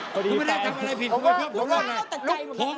คุณไม่ได้ทำอะไรผิดคุณไม่โทษอะไร